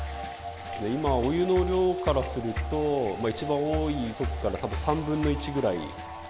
今、お湯の量からすると、一番多いときからたぶん３分の１ぐらい。